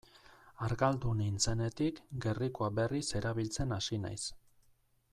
Argaldu nintzenetik gerrikoa berriz erabiltzen hasi naiz.